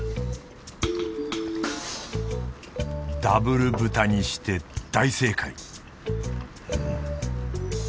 ダブル豚にして大正解！